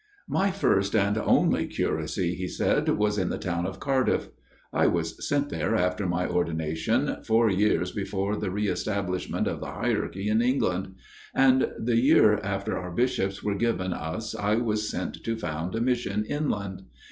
" My first and only curacy," he said, " was in the town of Cardiff. I was sent there after my ordination, four years before the re establish ment of the hierarchy in England ; and the year after our bishops were given us I was sent to found a mission inland.